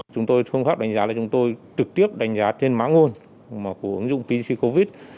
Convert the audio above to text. chúng tôi thông khắc đánh giá là chúng tôi trực tiếp đánh giá trên mã nguồn của ứng dụng bc covid